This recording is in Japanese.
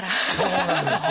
そうなんですよ。